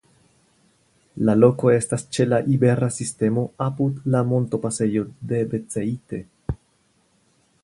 La loko estas ĉe la Iberia Sistemo apud la montopasejo de Beceite.